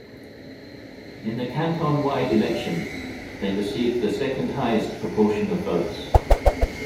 In the canton-wide election they received the second highest proportion of votes.